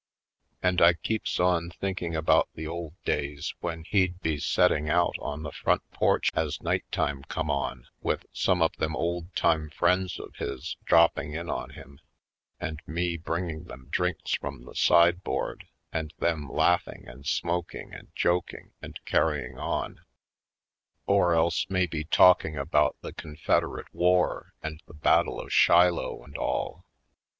And I keeps on thinking about the old days when he'd be setting out on the front porch as night time come on, with some of them old time friends of his dropping in on him, and me bringing them drinks from the sideboard, and them laughing and smoking and joking and carrying on ; or else maybe 16 /. Poindexter^ Colored talking about the Confederate War and the Battle of Shiloh and all.